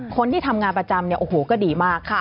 คนที่ทำงานประจำก็ดีมาก